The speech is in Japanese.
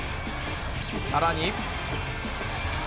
さらに。